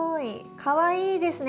かわいいですね。